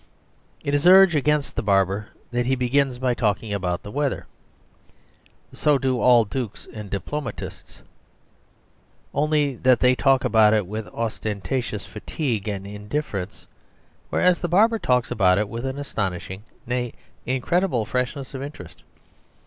It is urged against the barber that he begins by talking about the weather; so do all dukes and diplomatists, only that they talk about it with ostentatious fatigue and indifference, whereas the barber talks about it with an astonishing, nay incredible, freshness of interest.